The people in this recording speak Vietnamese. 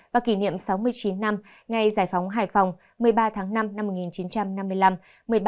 và kỷ niệm sáu mươi chín năm ngày giải phóng hải phòng một mươi ba tháng năm năm một nghìn chín trăm năm mươi năm